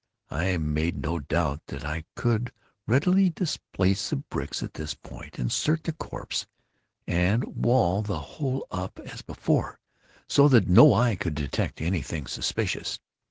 I made no doubt that I could readily displace the bricks at this point, insert the corpse, and wall the whole up as before, so that no eye could detect any thing suspicious.